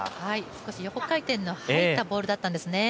少し横回転の入ったボールだったんですね。